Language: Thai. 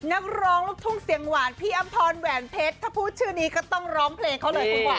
นักร้องลูกทุ่งเสียงหวานพี่อำพรแหวนเพชรถ้าพูดชื่อนี้ก็ต้องร้องเพลงเขาเลยคุณหวาน